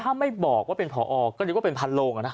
ถ้าไม่บอกว่าเป็นผอก็นึกว่าเป็นพันโลงอะนะ